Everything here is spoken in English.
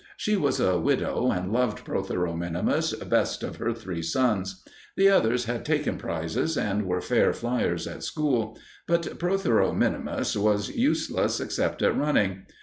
She was a widow and loved Protheroe minimus best of her three sons. The others had taken prizes and were fair fliers at school; but Protheroe min. was useless except at running.